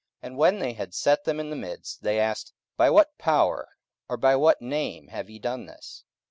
44:004:007 And when they had set them in the midst, they asked, By what power, or by what name, have ye done this?